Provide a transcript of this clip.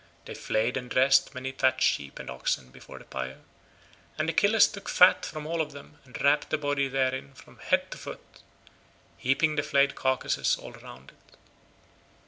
They flayed and dressed many fat sheep and oxen before the pyre, and Achilles took fat from all of them and wrapped the body therein from head to foot, heaping the flayed carcases all round it.